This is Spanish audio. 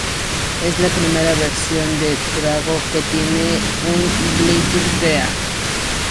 Es la primera versión de Drago que tiene un Battle Gear.